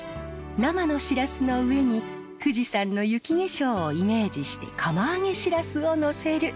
生のシラスの上に富士山の雪化粧をイメージして釜揚げシラスをのせる。